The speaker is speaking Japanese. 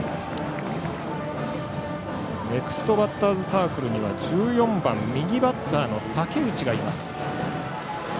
ネクストバッターズサークルには１４番、右バッターの竹内。